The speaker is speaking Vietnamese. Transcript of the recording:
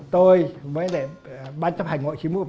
tôi với ban chấp hành hội chí mục